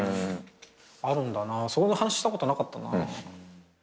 あるんだなそういう話したことなかったな。